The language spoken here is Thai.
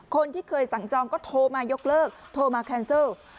คนที่เคยสั่งจองก็โทรมายกเลิกโทรมาแคนเซิล